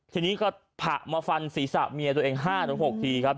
ทีนี้ก็ผะมาฟันศีรษะเมียตัวเอง๕๖ทีครับ